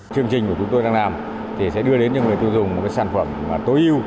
chương trình của chúng tôi đang làm sẽ đưa đến cho người tu dùng một sản phẩm tối ưu